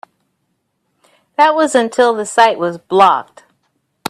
That was until the site was blocked.